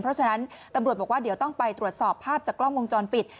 เพราะฉะนั้นตำรวจบอกว่าเดี๋ยวต้องไปตรวจสอบภาพจากกล้องวงจรปิด